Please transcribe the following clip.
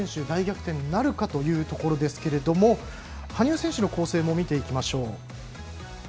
大逆転なるかというところですが羽生選手の構成も見ていきましょう。